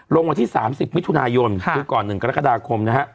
วันที่๓๐มิถุนายนคือก่อน๑กรกฎาคมนะฮะ